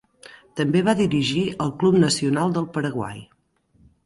També va dirigir el Club Nacional del Paraguai.